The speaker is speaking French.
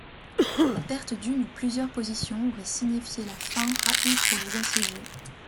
La perte d'une ou plusieurs positions aurait signifié la fin rapide pour les assiégés.